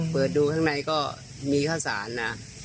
เปิดดูข้างในก็มีข้าวสารนะ